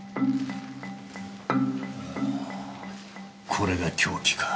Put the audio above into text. これが凶器か。